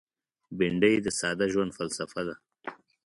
بېنډۍ د ساده ژوند فلسفه ده